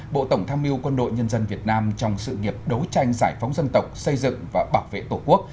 bộ tổng tham mưu quân đội nhân dân việt nam trong sự nghiệp đấu tranh giải phóng dân tộc xây dựng và bảo vệ tổ quốc